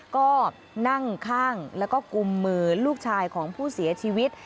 ก็นั่งข้างแล้วก็กุมมือลูกชายของผู้เสียชีวิต